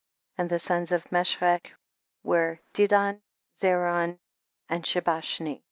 8. And the sons of Meshech were Dedon, Zaron and Shebashni.